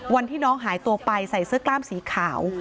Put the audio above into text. วันที่น้องหายตัวไปใส่เสื้อกล้ามสีขาว